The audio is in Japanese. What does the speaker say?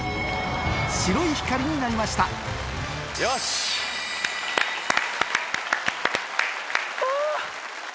白い光になりましたあ！